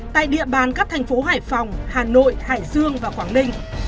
tại địa bàn các thành phố hải phòng hà nội hải dương và quảng ninh